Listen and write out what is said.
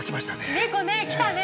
猫ね来たね。